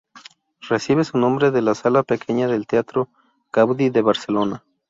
Recibe su nombre la sala pequeña del Teatro Gaudí de Barcelona.